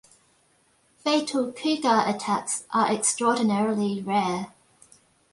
Fatal cougar attacks are extraordinarily rare.